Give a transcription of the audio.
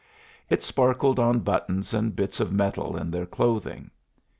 It sparkled on buttons and bits of metal in their clothing.